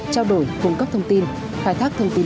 trao đổi cung cấp thông tin khai thác thông tin